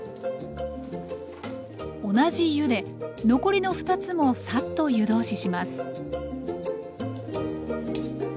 同じ湯で残りの２つもサッと湯通しします